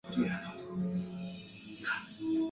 也被称为射击者部队。